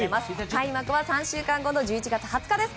開幕は３週間後の１１月２０日です。